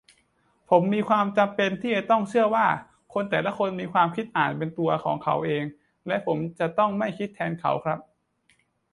ผมมีความจำเป็นที่จะต้องเชื่อว่า คนแต่ละคนมีความคิดอ่านเป็นของตัวเขาเอง และผมจะต้องไม่คิดแทนเขาครับ